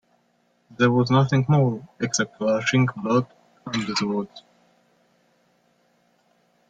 There was nothing more, except a large ink blot under the words.